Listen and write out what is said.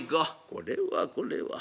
「これはこれは。